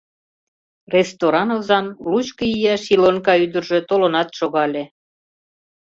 Ресторан озан лучко ияш Илонка ӱдыржӧ толынат шогале.